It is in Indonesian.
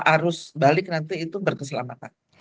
arus balik nanti itu berkeselamatan